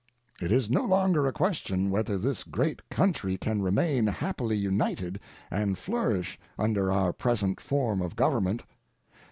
It is no longer a question whether this great country can remain happily united and flourish under our present form of government.